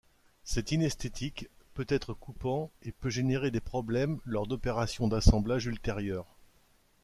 C'est inesthétique, peut être coupant et peut générer des problèmes lors d'opérations d'assemblage ultérieures.